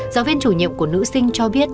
giáo viên chủ nhiệm của nữ sinh cho biết